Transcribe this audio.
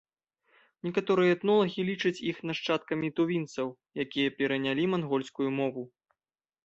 Некаторыя этнолагі лічаць іх нашчадкамі тувінцаў, якія перанялі мангольскую мову.